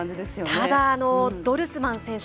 ただ、ドルスマン選手